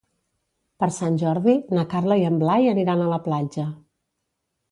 Per Sant Jordi na Carla i en Blai aniran a la platja.